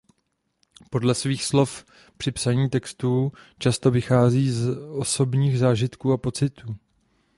Podle svých slov při psaní textů často vychází z osobních zážitků a pocitů.